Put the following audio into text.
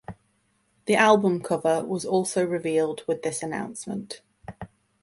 The album cover was also revealed with this announcement.